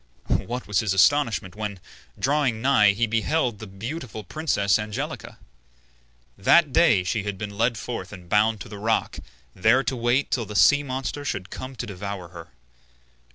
What was his astonishment when, drawing nigh, he beheld the beautiful princess Angelica! That day she had been led forth and bound to the rock, there to wait till the sea monster should come to devour her.